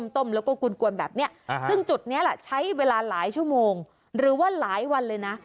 ต้มแล้วก็กวนแบบนี้ซึ่งจุดนี้แหละใช้เวลาหลายชั่วโมงหรือว่าหลายวันเลยนะ